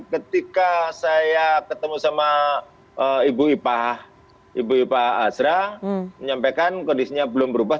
ketika saya ketemu sama ibu ipah asra menyampaikan kondisinya belum berubah